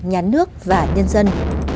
nhà nước và nhân dân